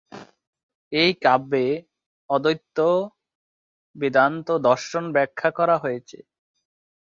এই কাব্যে অদ্বৈত বেদান্ত দর্শন ব্যাখ্যা করা হয়েছে।